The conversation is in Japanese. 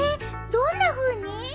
どんなふうに？